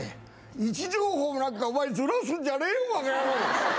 位置情報なんかお前ずらすんじゃねえよバカヤロー。